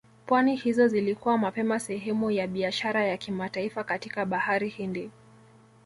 pwani hizo zilikuwa mapema sehemu ya biashara ya kimataifa katika Bahari Hindi